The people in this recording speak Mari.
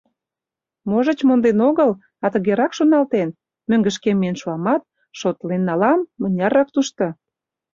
Можыч, монден огыл, а тыгерак шоналтен: мӧҥгышкем миен шуамат, шотлен налам, мыняррак тушто.